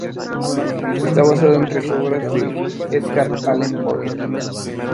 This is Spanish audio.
Está basada en tres obras de Edgar Allan Poe.